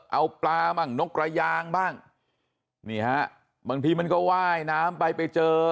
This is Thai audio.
เอาปลาบ้างนกระยางบ้างนี่ฮะบางทีมันก็ว่ายน้ำไปไปเจอ